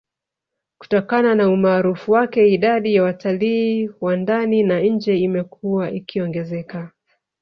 Kutokana na umaarufu wake idadi ya watalii wa ndani na nje imekuwa ikiongezeka